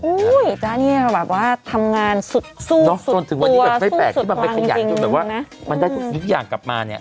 อุ้ยจ๊ะเนี่ยแบบว่าทำงานสู้สุดตัวสู้สุดต่างจริงแบบว่ามันได้ทุกสิ่งที่อยากกลับมาเนี่ย